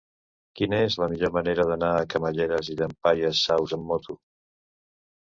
Quina és la millor manera d'anar a Camallera i Llampaies Saus amb moto?